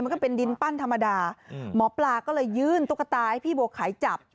ก็เป็นดินปั้นธรรมดาหมอปลาก็เลยยื่นตุ๊กตาให้พี่บัวไข่จับ